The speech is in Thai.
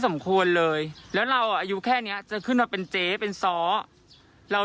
สมควรเลยแล้วเราอายุแค่เนี้ยจะขึ้นมาเป็นเจ๊เป็นซ้อเรา